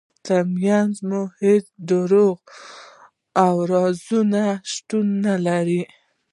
ترمنځ مو هیڅ دروغ او رازونه شتون ونلري.